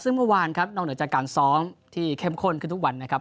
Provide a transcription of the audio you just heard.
ซึ่งเมื่อวานครับนอกเหนือจากการซ้อมที่เข้มข้นขึ้นทุกวันนะครับ